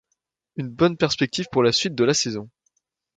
Une bonne perspective pour la suite de la saison.